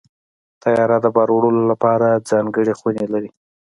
طیاره د بار وړلو لپاره ځانګړې خونې لري.